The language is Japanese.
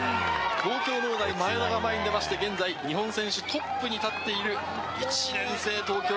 東京農大、前田が前に出まして、現在、日本選手トップに立っている。